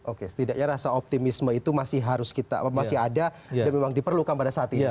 oke setidaknya rasa optimisme itu masih harus kita masih ada dan memang diperlukan pada saat ini